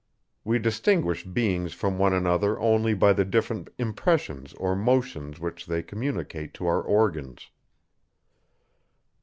We distinguish beings from one another only by the different impressions or motions which they communicate to our organs.